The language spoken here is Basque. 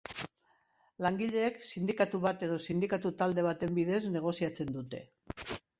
Langileek sindikatu bat edo sindikatu talde baten bidez negoziatzen dute.